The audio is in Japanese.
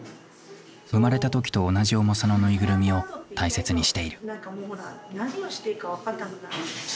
生まれた時と同じ重さのぬいぐるみを大切にしている。